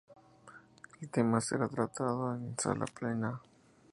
El tema será tratado en Sala Plena.